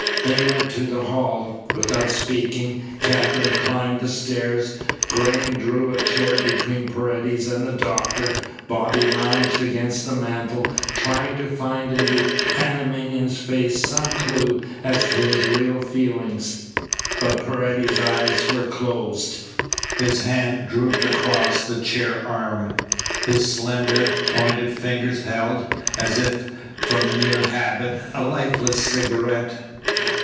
They went to the hall. Without speaking, Katherine climbed the stairs. Graham drew a chair between Paredes and the doctor. Bobby lounged against the mantel, trying to find in the Panamanian's face some clue as to his real feelings. But Paredes's eyes were closed. His hand drooped across the chair arm. His slender, pointed fingers held, as if from mere habit, a lifeless cigarette.